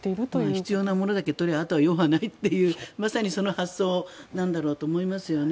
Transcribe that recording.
必要なものだけ取ってあとは用はないというまさにその発想なんだと思いますね。